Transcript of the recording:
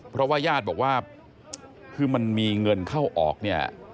เพราะว่าญาติบอกว่าคือมันมีเงินเข้าออกเนี่ย